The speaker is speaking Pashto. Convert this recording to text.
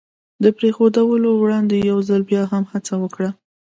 د پرېښودلو وړاندې یو ځل بیا هم هڅه وکړه.